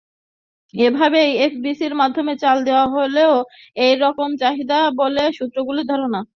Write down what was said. একইভাবে এফপিসির মাধ্যমে চাল দেওয়া হলেও একই রকম চাহিদা বলে সূত্রগুলোর ধারণা।